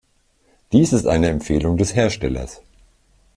Dies ist eine Empfehlung des Herstellers.